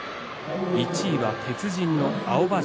１位は鉄人の青葉城。